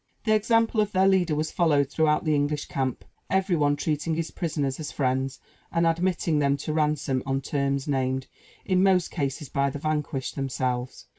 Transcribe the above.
The example of their leader was followed throughout the English camp; every one treating his prisoners as friends, and admitting them to ransom on terms named, in most cases, by the vanquished themselves.